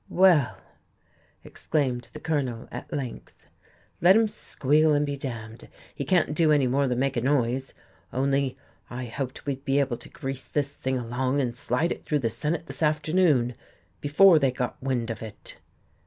"Well," exclaimed the Colonel, at length, "let him squeal and be d d! He can't do any more than make a noise. Only I hoped we'd be able to grease this thing along and slide it through the Senate this afternoon, before they got wind of it."